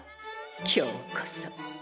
今日こそ！